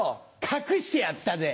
隠してやったぜ。